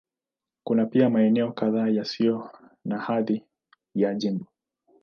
Kuna pia maeneo kadhaa yasiyo na hadhi ya jimbo.